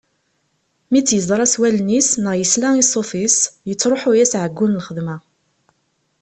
Mi tt-yeẓra s wallen-is neɣ yesla i ṣṣut-is, yettruḥu-yas ɛeggu n lxedma.